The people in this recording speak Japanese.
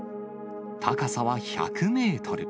高さは１００メートル。